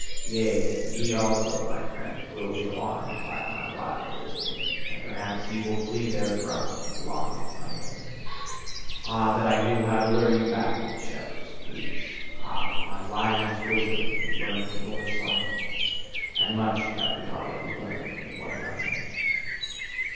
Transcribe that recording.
Yea, ye also, my friends, will be alarmed by my wild wisdom; and perhaps ye will flee therefrom, along with mine enemies. Ah, that I knew how to lure you back with shepherds' flutes! Ah, that my lioness wisdom would learn to roar softly! And much have we already learned with one another!